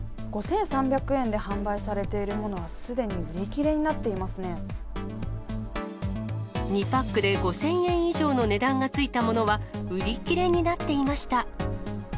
５３００円で販売されているものはすでに売り切れになってい２パックで５０００円以上の値段がついたものは、売り切れになっていました。